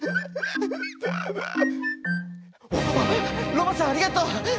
ロバさんありがとう。